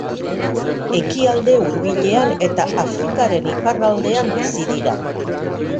Ekialde Hurbilean eta Afrikaren iparraldean bizi dira.